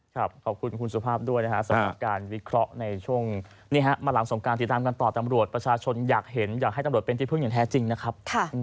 ขอบคุณคุณสุภาพด้วยนะครับสำหรับการวิเคราะห์ในช่วงนี้มาหลังสงการติดตามกันต่อตำรวจประชาชนอยากเห็นอยากให้ตำรวจเป็นที่พึ่งอย่างแท้จริงนะครับ